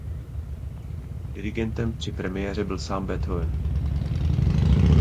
Dirigentem při premiéře byl sám Beethoven.